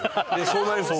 そうなりますね。